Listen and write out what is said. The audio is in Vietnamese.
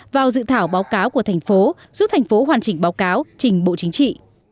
vào dự thảo báo cáo của thành phố giúp thành phố hoàn chỉnh báo cáo trình bộ chính trị